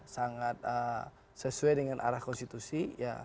sangat sesuai dengan arah konstitusi